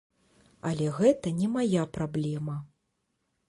Але гэта не мая праблема.